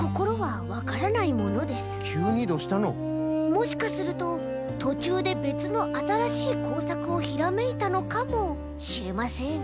もしかするととちゅうでべつのあたらしいこうさくをひらめいたのかもしれません。